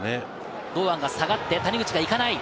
堂安が下がって、谷口がいかない。